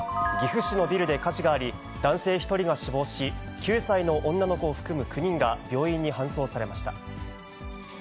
岐阜市のビルで火事があり、男性１人が死亡し、９歳の女の子を含む９人が病院に搬送されました。